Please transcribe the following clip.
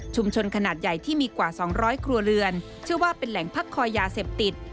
ขนาดใหญ่ที่มีกว่า๒๐๐ครัวเรือนเชื่อว่าเป็นแหล่งพักคอยยาเสพติด